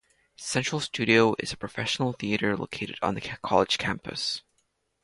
Central Studio is a professional theatre located on the college campus.